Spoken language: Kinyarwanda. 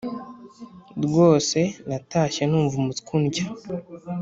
Rwose natashye numva umutwe undya